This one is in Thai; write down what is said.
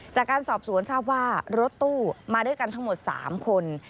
จากการสอบสวนทราบว่ารถตู้มาด้วยกันทั้งหมด๓คน